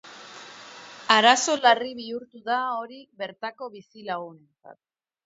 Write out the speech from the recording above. Arazo larri bihurtu da hori bertako bizilagunentzat.